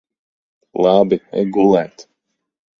Labi. Ej gulēt.